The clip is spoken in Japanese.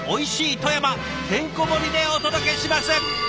富山てんこ盛りでお届けします！